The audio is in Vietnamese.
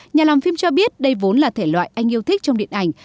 nhà làm phim cho biết đây vốn là thể loại anh yêu thích trong điện ảnh